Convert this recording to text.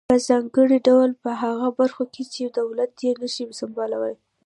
په ځانګړي ډول په هغه برخو کې چې دولت یې نشي سمبالولای.